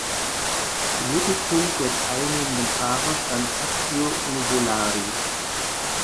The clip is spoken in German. Im Mittelpunkt der teilnehmenden Fahrer stand Tazio Nuvolari.